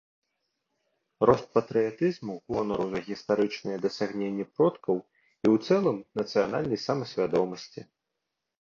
Рост патрыятызму, гонару за гістарычныя дасягненні продкаў і ў цэлым нацыянальнай самасвядомасці.